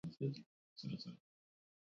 Honako hauek izan ziren emaitzak.